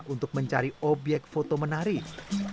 untuk mencari obyek foto menarik